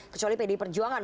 kecuali pd perjuangan